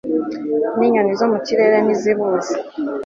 n'inyoni zo mu kirere ntizibuzi